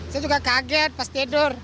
saya juga kaget pas tidur